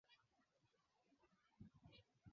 mtu alimponyakua mdoli wake aliyokuwa akiupenda